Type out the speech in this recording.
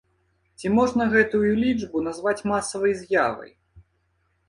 Ці можна гэтую лічбу назваць масавай з'явай?